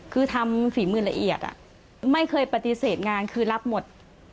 คือทำฝีมือละเอียดไม่เคยปฏิเสธงานคือรับหมด